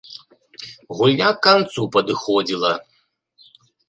Гульня к канцу падыходзіла.